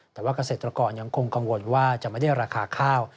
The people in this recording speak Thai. แต่ว่าเกษตรกรยังคงกังวลว่าจะไม่ได้ราคาข้าว